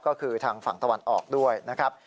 ก็คือทางฝั่งตะวันออกด้วยนะครับ